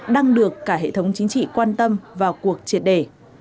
đang được cả hệ thống chính trị quan tâm vào cuộc triệt đề